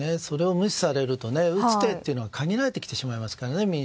それを無視されると打つ手は限られてきてしまいますからね。